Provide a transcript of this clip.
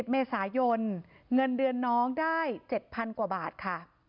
๑เมษายนเงินเดือนน้องได้๗๐๐กว่าบาทค่ะ